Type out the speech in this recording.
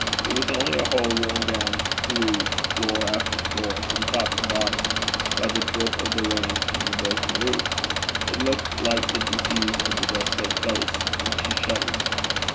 It was only a hole worn down through floor after floor, from top to bottom, by the drip of the rains from the broken roof: it looked like the disease of the desolate place, and she shuddered.